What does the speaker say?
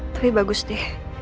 tapi bagus deh